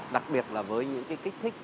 đặc biệt là với những kích thích